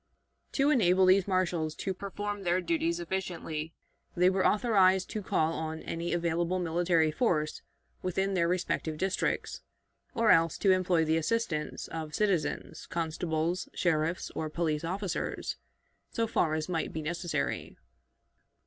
To enable these marshals to perform their duties efficiently, they were authorized to call on any available military force within their respective districts, or else to employ the assistance of citizens, constables, sheriffs, or police officers, so far as might be necessary.